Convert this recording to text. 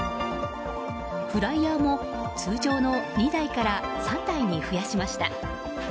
フライヤーも通常の２台から３台に増やしました。